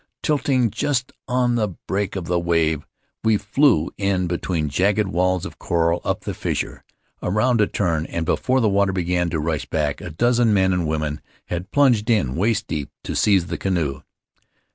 Tilting just on the break of the wave, we flew in between jagged walls of coral, up the fissure, around a turn — and before the water began to rush back, a dozen men and women had plunged in waist deep to seize the canoe.